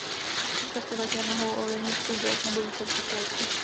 Často také mohou ovlivnit průběh nebo výsledky projektu.